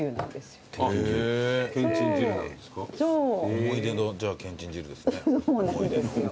思い出のけんちん汁ですね。